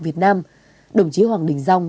việt nam đồng chí hoàng đình dông